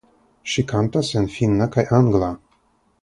Ŝi kantas en finna kaj angla.